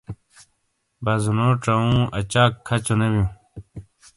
بازونو چاوؤں اچاک کھچو نے بیوں۔